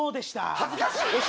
恥ずかしい。